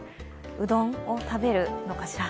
うどんを食べるのかしら。